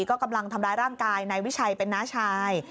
ก็กำลังทำร้ายร่างกายนายวิชัยเป็นน้าชาย